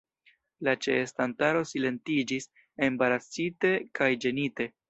La ĉeestantaro silentiĝis, embarasite kaj ĝenite.